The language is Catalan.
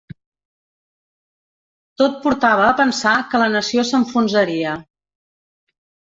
Tot portava a pensar que la nació s'enfonsaria.